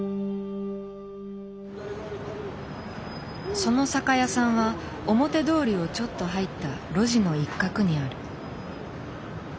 その酒屋さんは表通りをちょっと入った路地の一角にある。